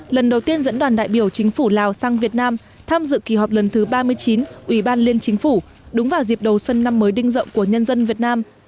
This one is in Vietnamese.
lần đầu tiên dẫn đoàn đại biểu chính phủ lào sang việt nam tham dự kỳ họp lần thứ ba mươi chín ủy ban liên chính phủ đúng vào dịp đầu xuân năm mới đinh rộng của nhân dân việt nam